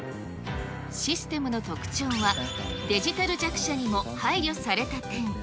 システムの特徴は、デジタル弱者にも配慮された点。